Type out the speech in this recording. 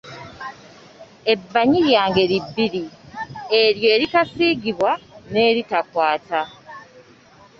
Ebbanyi lya ngeri bbiri eryo eritasiigibwa n’eritakwata.